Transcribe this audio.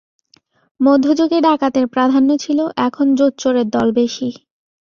মধ্যযুগে ডাকাতের প্রাধান্য ছিল, এখন জোচ্চোরের দল বেশী।